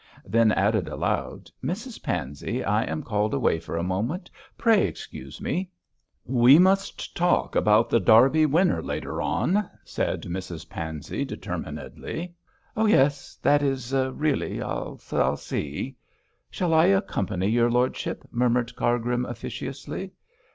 Then added aloud, 'Mrs Pansey, I am called away for a moment; pray excuse me.' 'We must talk about The Derby Winner later on,' said Mrs Pansey, determinedly. 'Oh, yes! that is really I'll see.' 'Shall I accompany your lordship?' murmured Cargrim, officiously.